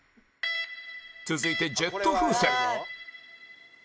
続いてジェット風船